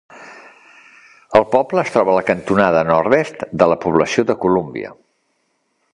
El poble es troba a la cantonada nord-oest de la població de Columbia.